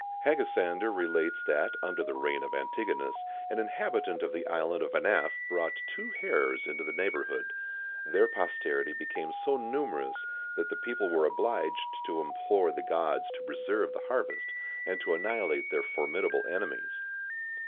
Hegesander relates that, under the reign of Antigonus, an inhabitant of the island of Anaphe brought two hares into the neighbourhood. Their posterity became so numerous that the people were obliged to implore the gods to preserve the harvest, and to annihilate their formidable enemies.